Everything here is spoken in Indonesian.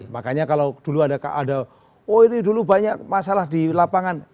makanya kalau dulu ada oh ini dulu banyak masalah di lapangan